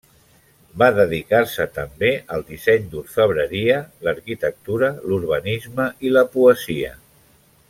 Va dedicar-se també al disseny d'orfebreria, l'arquitectura, l'urbanisme i la poesia.